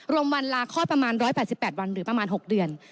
วันลาคลอดประมาณ๑๘๘วันหรือประมาณ๖เดือน